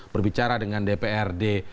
berbicara dengan dprd